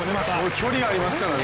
距離ありますからね。